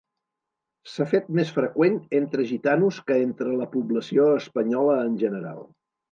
S'ha fet més freqüent entre gitanos que entre la població espanyola en general.